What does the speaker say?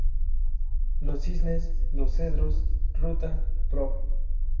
Los Cisnes, Los Cedros, Ruta Prov.